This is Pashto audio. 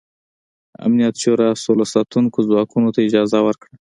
امنیت شورا سوله ساتو ځواکونو ته اجازه ورکړه.